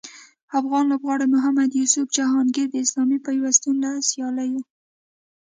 افغان لوبغاړي محمد یوسف جهانګیر د اسلامي پیوستون له سیالیو